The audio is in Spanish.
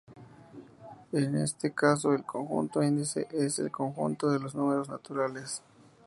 En este caso el conjunto índice es el conjunto de los números naturales.